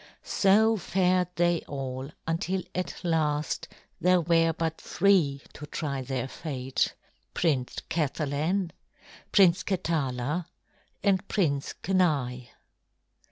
So fared they all until at last there were but three to try their fate, Prince Kathalan, Prince Katala, and Prince Kenai.